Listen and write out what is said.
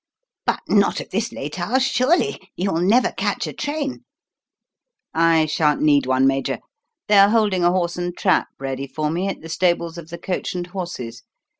"But not at this late hour, surely? You will never catch a train." "I shan't need one, Major. They are holding a horse and trap ready for me at the stables of the 'Coach and Horses.'